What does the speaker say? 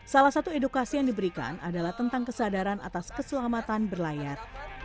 salah satu edukasi yang diberikan adalah tentang kesadaran atas keselamatan berlayar